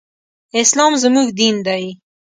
اسلام زموږ دين دی